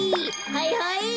はいはい。